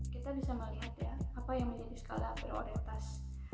kita bisa melihat ya apa yang menjadi skala prioritas